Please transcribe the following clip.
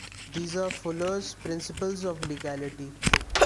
These are Fuller's principles of legality.